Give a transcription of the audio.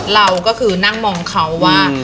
เราก็คือนั่งมองเขาว่า